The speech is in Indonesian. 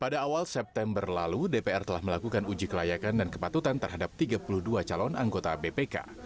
pada awal september lalu dpr telah melakukan uji kelayakan dan kepatutan terhadap tiga puluh dua calon anggota bpk